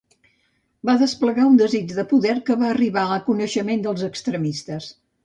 Va desplegar un desig de poder que va arribar a coneixement dels extremistes.